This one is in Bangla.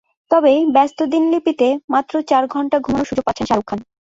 তবে ব্যস্ত দিনলিপিতে মাত্র চার ঘণ্টা ঘুমানোর সুযোগ পাচ্ছেন শাহরুখ খান।